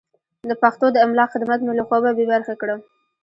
د پښتو د املا خدمت مې له خوبه بې برخې کړم.